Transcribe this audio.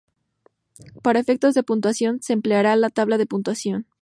Para efectos de puntuación se empleará la tabla de puntuación.